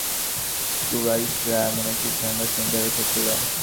কুরাইশরা এমন একটি সংবাদ শুনতে অপেক্ষায় ছিল।